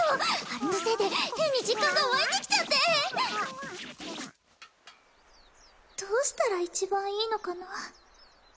あれのせいで変に実感が湧いてきちゃってどうしたら一番いいのかな